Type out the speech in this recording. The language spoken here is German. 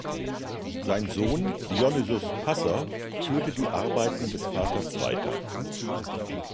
Sein Sohn Dionysius Passer führte die Arbeiten des Vaters weiter.